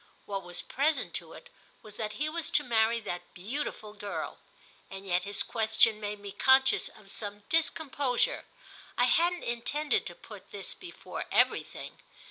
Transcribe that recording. What was present to it was that he was to marry that beautiful girl; and yet his question made me conscious of some discomposure—I hadn't intended to put this before everything.